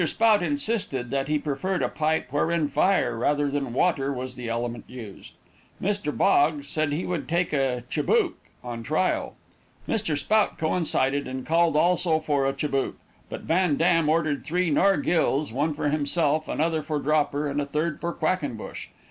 Spout insisted that he preferred a pipe wherein fire, rather than water, was the element used. Mr. Boggs said he would take a chibouk on trial. Mr. Spout coincided, and called also for a chibouk. But Van Dam ordered three nargillês, one for himself, another for Dropper, and a third for Quackenbush.